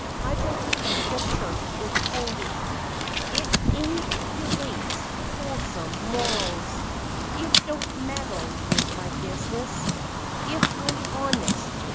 I believe the church is holy; It inculcates wholesome morals; It don't meddle with my business— If I'm honest.